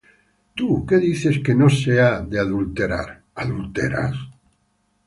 ¿Tú, que dices que no se ha de adulterar, adulteras?